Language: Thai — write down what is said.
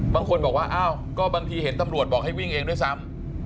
บางคนบอกว่าอ้าวก็บางทีเห็นตำรวจบอกให้วิ่งเองด้วยซ้ำ